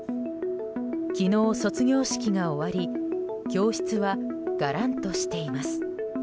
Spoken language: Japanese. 昨日、卒業式が終わり教室はがらんとしています。